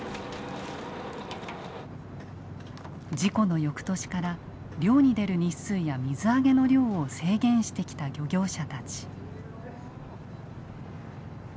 事故のよくとしから漁に出る日数や水揚げの量を制限してきた漁業者たち。